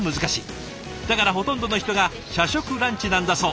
だからほとんどの人が社食ランチなんだそう。